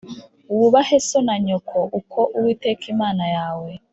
Wubahe so na nyoko uko Uwiteka Imana yawe